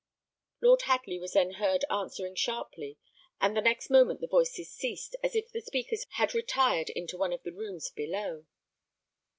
Lord Hadley was then heard answering sharply; and the next moment the voices ceased, as if the speakers had retired into one of the rooms below.